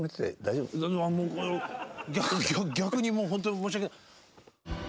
逆にもう本当に申し訳ない。